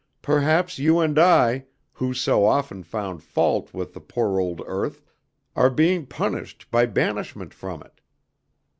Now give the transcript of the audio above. Perhaps you and I, who so often found fault with the poor old earth, are being punished by banishment from it.